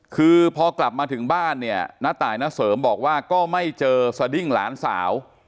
คือพอกลับมาถึงบ้านเนี่ยณตายณเสริมบอกว่าก็ไม่เจอสดิ้งหลานสาว